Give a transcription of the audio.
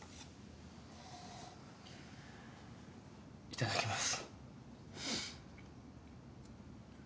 いただきます。